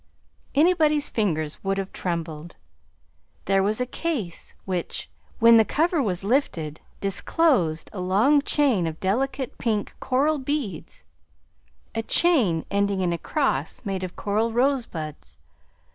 Anybody's fingers would have trembled. There was a case which, when the cover was lifted, disclosed a long chain of delicate pink coral beads, a chain ending in a cross made of coral rosebuds.